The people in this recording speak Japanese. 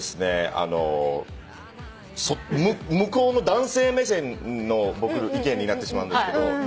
あの向こうの男性目線の意見になってしまうんですけど。